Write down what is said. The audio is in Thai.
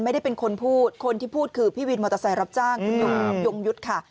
ไม่ได้เป็นคนพูดคนที่พูดคือพี่วินมอเตอร์ไซค์รับจ้างคุณยงยุทธ์ค่ะ